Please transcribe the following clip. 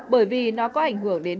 bởi vì nó có ảnh hưởng đến